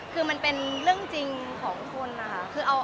คือมันเป็นเรื่องจริงของคนนะคะ